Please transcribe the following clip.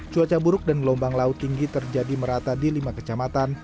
cuaca buruk dan gelombang laut tinggi terjadi merata di lima kecamatan